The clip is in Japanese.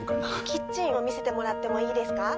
キッチンを見せてもらってもいいですか？